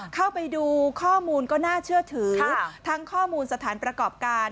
เข้าไปดูข้อมูลก็น่าเชื่อถือทั้งข้อมูลสถานประกอบการ